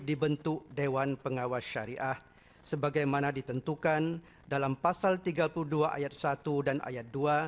dibentuk dewan pengawas syariah sebagaimana ditentukan dalam pasal tiga puluh dua ayat satu dan ayat dua